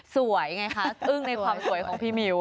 ไงคะอึ้งในความสวยของพี่มิ้ว